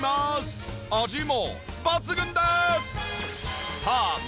味も抜群です！